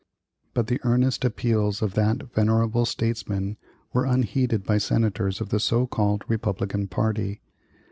But the earnest appeals of that venerable statesman were unheeded by Senators of the so called Republican party.